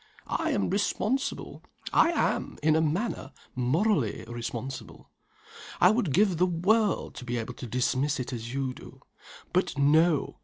I am responsible I am, in a manner, morally responsible. I would give the world to be able to dismiss it as you do. But no!